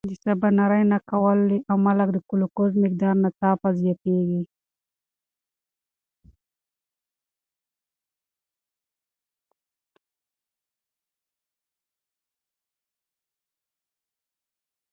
د سباناري نه کولو له امله د ګلوکوز مقدار ناڅاپه زیاتېږي.